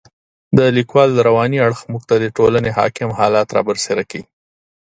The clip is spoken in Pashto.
د لیکوال رواني اړخ موږ ته د ټولنې حاکم حالات را برسېره کوي.